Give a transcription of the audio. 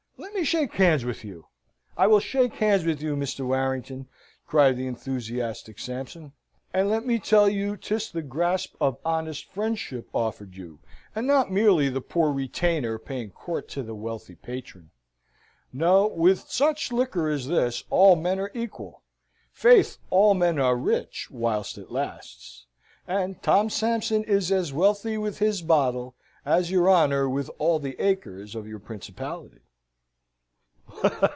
Let me shake hands with you! I will shake hands with you, Mr. Warrington," cried the enthusiastic Sampson. "And let me tell you 'tis the grasp of honest friendship offered you, and not merely the poor retainer paying court to the wealthy patron. No! with such liquor as this, all men are equal; faith, all men are rich, whilst it lasts! and Tom Sampson is as wealthy with his bottle as your honour with all the acres of your principality!"